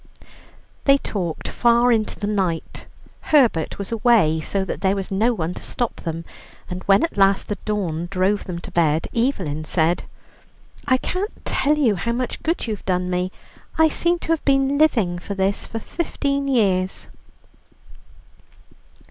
They talked far into the night. Herbert was away, so that there was no one to stop them, and when at last the dawn drove them to bed, Evelyn said: "I can't tell you how much good you've done me. I seem to have been living for this for fifteen years."